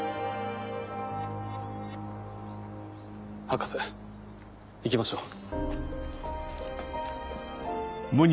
博士行きましょう。